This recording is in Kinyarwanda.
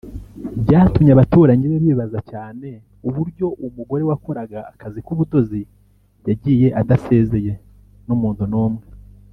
Byatumye abaturanyi be bibaza cyane uburyo uwo mugore wakoraga akazi k’ubudozi yagiye adasezeye n’umuntu n’umwe